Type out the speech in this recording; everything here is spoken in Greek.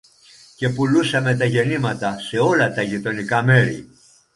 και πουλούσαμε τα γεννήματα σε όλα τα γειτονικά μέρη.